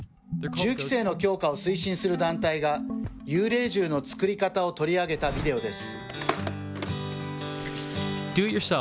銃規制の強化を推進する団体が、幽霊銃の作り方を取り上げたビデオです。